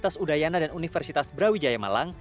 universitas udayana dan universitas brawijaya malang